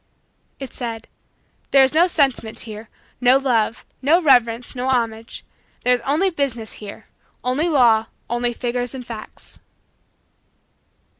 It said: "There is no sentiment here, no love, no reverence, no homage; there is only business here, only law, only figures and facts."